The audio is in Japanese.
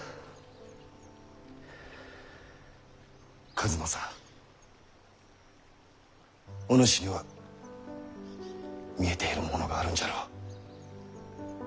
数正お主には見えているものがあるんじゃろう？